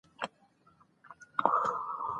ازادي راډیو د حیوان ساتنه کیسې وړاندې کړي.